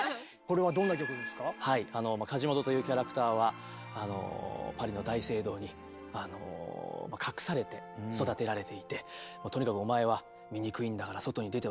はいカジモドというキャラクターはパリの大聖堂に隠されて育てられていてとにかくお前は醜いんだから外に出てはいけないと。